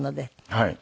はい。